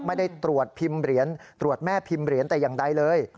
ไม่ได้ตรวจแม่พิมพ์เหรียญแต่อย่างใดเลย